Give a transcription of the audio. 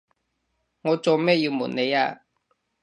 我做咩要暪你呀？